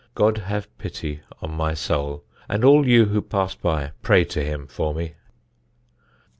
God have pity on my soul; and all you who pass by, pray to Him for me."